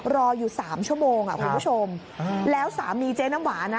รออยู่สามชั่วโมงอ่ะคุณผู้ชมแล้วสามีเจ๊น้ำหวานนะ